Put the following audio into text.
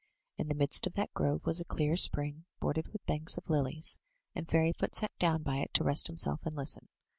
In the midst of that grove was a clear spring, bordered with banks of lilies, and Fairyfoot sat down by it to rest himself and listen.